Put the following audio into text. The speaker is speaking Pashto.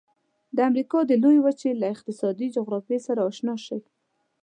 د امریکا د لویې وچې له اقتصادي جغرافیې سره آشنا شئ.